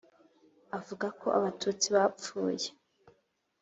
Avuga ko Abatutsi bapfuye